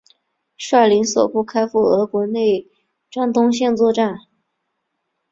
率领所部开赴俄国内战东线作战。